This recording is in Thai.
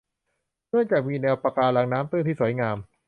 เนื่องจากมีแนวปะการังน้ำตื้นที่สวยงาม